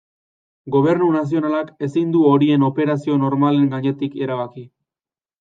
Gobernu nazionalak ezin du horien operazio normalen gainetik erabaki.